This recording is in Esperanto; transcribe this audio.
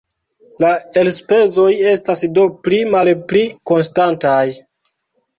La elspezoj estas do pli-malpli konstantaj.